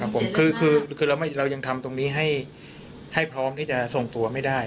ผมคือเรายังทำตรงนี้ให้พร้อมที่จะส่งตัวไม่ได้